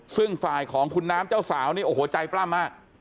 ซึ่งฝ่ายของคุณน้ำเจ้าสาวนี่โอ้โหใจปล้ำมาก